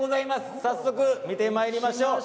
早速見てまいりましょう。